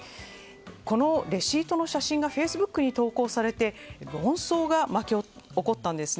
このレシートの写真がフェイスブックに掲載されて論争が巻き起こったんです。